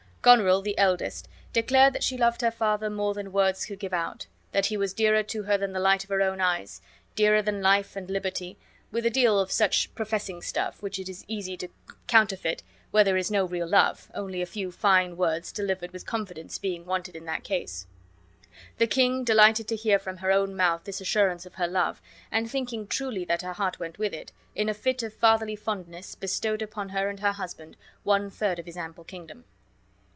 Goneril, the eldest, declared that she loved her father more than words could give out, that he was dearer to her than the light of her own eyes, dearer than life and liberty, with a deal of such professing stuff, which is easy to counterfeit where there is no real love, only a few fine words delivered with confidence being wanted in that case. The king, delighted to hear from her own mouth this assurance of her love, and thinking truly that her heart went with it, in a fit of fatherly fondness bestowed upon her and her husband one third of his ample kingdom.